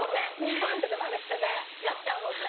こうやってねマネしてねやっちゃうもんね。